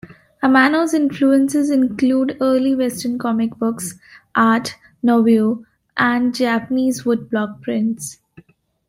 Amano's influences include early Western comic books, art nouveau, and Japanese woodblock prints.